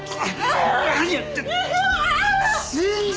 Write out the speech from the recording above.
何やってんだ。